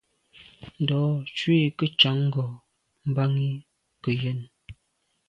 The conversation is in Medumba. Ndo’ ntshui nke ntshan ngo’ bàn yi ke yen.